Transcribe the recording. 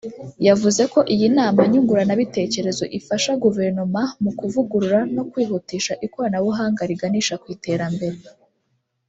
yavuze ko iyi nama nyunguranabitekerezo ifasha Guverinoma mu kuvugurura no kwihutisha ikoranabuhanga riganisha ku iterambere